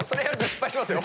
失敗しますよ。